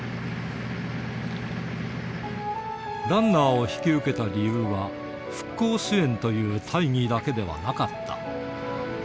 ランナーを引き受けた理由は、復興支援という大義だけではなかった。